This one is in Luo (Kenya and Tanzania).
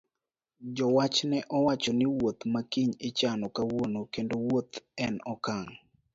Jowach ne owacho ni wuoth ma kiny ichano kawuono kendo wuoth en okang'